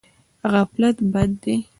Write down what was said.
غفلت بد دی.